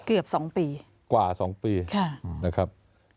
เกือบ๒ปีกว่า๒ปีนะครับ